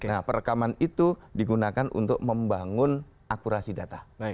nah perekaman itu digunakan untuk membangun akurasi data